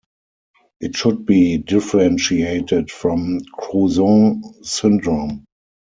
It should be differentiated from Crouzon syndrome.